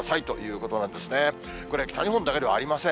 これ、北日本だけではありません。